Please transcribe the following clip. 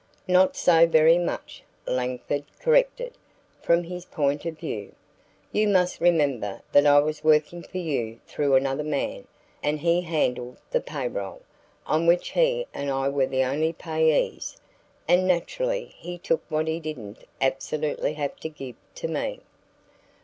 "Not so very much," Langford corrected, from his point of view. "You must remember that I was working for you through another man and he handled the pay roll, on which he and I were the only payees, and naturally he took what he didn't absolutely have to give to me."